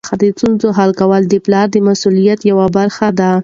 د ستونزو حل د پلار د مسؤلیت یوه برخه ده.